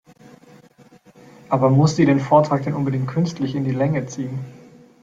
Aber muss sie den Vortrag denn unbedingt künstlich in die Länge ziehen?